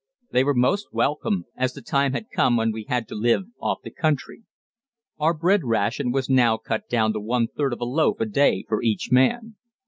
They were most welcome, as the time had come when we had to live off the country. Our bread ration was now cut down to one third of a loaf a day for each man.